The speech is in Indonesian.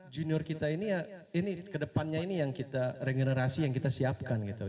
junior kita ini ya ini kedepannya ini yang kita regenerasi yang kita siapkan gitu